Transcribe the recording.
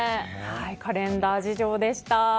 カレンダー事情でした。